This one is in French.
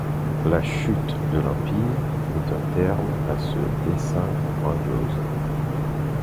La chute de l'Empire mit un terme à ce dessein grandiose.